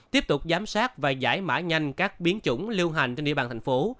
tiếp tục giám sát và giải mã nhanh các biến chủng lưu hành trên địa bàn thành phố